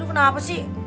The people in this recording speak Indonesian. lu kenapa sih